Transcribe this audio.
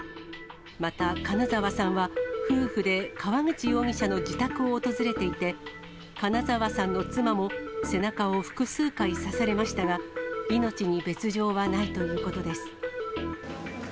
また、金沢さんは、夫婦で川口容疑者の自宅を訪れていて、金沢さんの妻も、背中を複数回刺されましたが、命に別状はないということです。